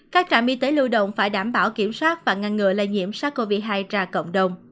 các trạm y tế lưu động phải đảm bảo kiểm soát và ngăn ngừa lây nhiễm sars cov hai ra cộng đồng